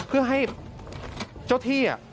เพื่อให้เจ้าที่